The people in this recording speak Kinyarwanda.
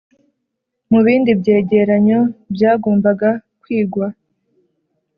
mu bindi byegeranyo byagombaga kwigwa